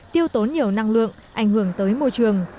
tiêu tốn nhiều năng lượng ảnh hưởng tới môi trường